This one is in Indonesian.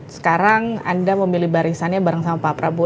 sekarang anda memilih barisannya bareng sama pak prabowo